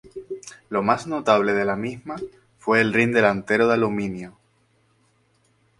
Lo más notable de la misma fue el rin delantero de aluminio.